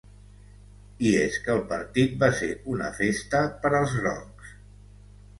I és el que el partit va ser una festa per als grocs.